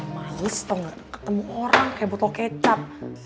malis tau gak ketemu orang kayak botol kecap